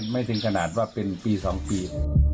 ไม่ถึงขนาดว่าเป็นปี๒ปี